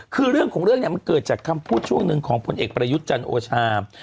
คือเรื่องของเรื่องเนี่ยมันเกิดจากคำพูดช่วงหนึ่งของพลเอกประยุทธ์จันทร์โอชา